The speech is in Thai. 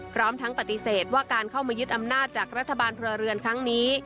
พร้อมทั้งปฏิเสธว่าการเข้ามายึดอำนาจจากรัฐบาลพลเรือนครั้งนี้